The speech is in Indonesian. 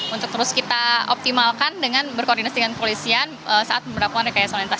untuk terus kita optimalkan dengan berkoordinasi dengan polisian saat memperlakukan rekayasa lintas